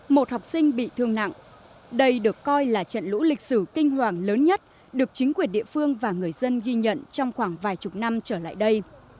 một học sinh bị thương nặng đây được coi là trận lũ lịch sử kinh hoàng lớn nhất được chính quyền địa phương và người dân ghi nhận trong khoảng vài chục năm trở lại đây